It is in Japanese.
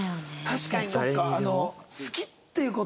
確かにそっか。